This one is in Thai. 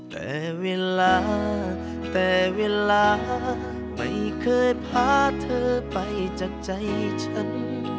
แต่เวลาแต่เวลาไม่เคยพาเธอไปจากใจฉัน